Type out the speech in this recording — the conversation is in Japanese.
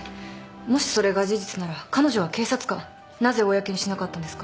もしそれが事実なら彼女は警察官なぜ公にしなかったんですか。